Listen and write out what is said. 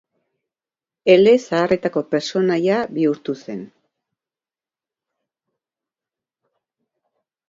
Ele zaharretako pertsonaia bihurtu zen.